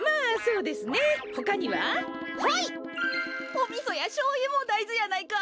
おみそやしょうゆもだいずやないか？